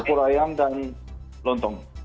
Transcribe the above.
bubur ayam dan lontong